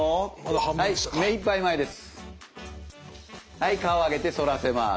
はい顔を上げて反らせます。